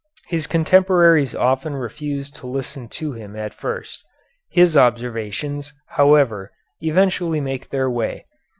His contemporaries often refuse to listen to him at first. His observations, however, eventually make their way.